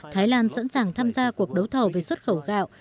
thái lan sẵn sàng tham gia cuộc đấu thầu về xuất khẩu gạo